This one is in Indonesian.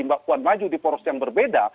mbak puan maju di poros yang berbeda